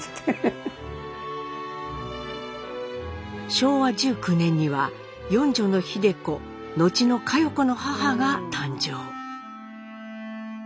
昭和１９年には４女の秀子後の佳代子の母が誕生。